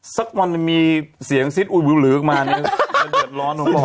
สักวันจะมีเสียงซิดอุ้ยบลื้อมาอันนี้เดือดร้อนผมบอกให้